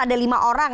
ada lima orang